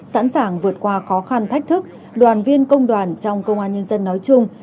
sẵn sàng vượt qua khó khăn thách thức đoàn viên công đoàn trong công an nhân dân nói chung